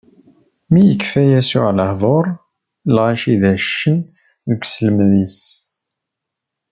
Mi yekfa Yasuɛ lehduṛ, lɣaci dehcen deg uselmed-is.